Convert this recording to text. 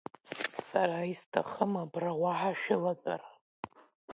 Сара исҭахым абра уаҳа шәылатәара.